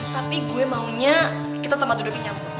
tapi gue maunya kita tempat duduknya nyamuk